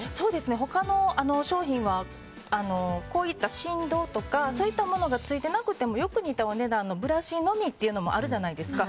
他の商品はこういった振動とかそういったものがついていなくてもよく似たお値段のブラシのみといったものもあるじゃないですか。